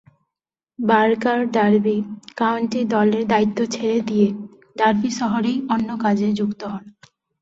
Barker Derby County দলের দায়িত্ব ছেড়ে দিয়ে ডার্বি শহরেই অন্য কাজে যুক্ত হন।